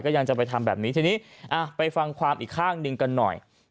ยังจะไปทำแบบนี้ทีนี้ไปฟังความอีกข้างหนึ่งกันหน่อย